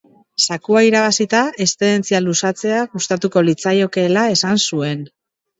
Zakua irabazita eszedentzia luzatzea gustatuko litzaiokeela esan zuen.